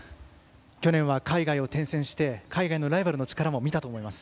去年は海外を転戦して海外のライバルの力も見たと思います。